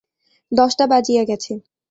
দশটা বাজিয়া গেছে।